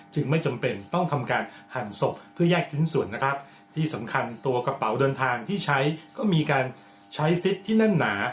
ไม่จำเป็นต้องทำการหั่นศพเพื่อแยกชิ้นส่วนนะครับที่สำคัญตัวกระเป๋าเดินทางที่ใช้ก็มีการใช้ซิตที่แน่นหนา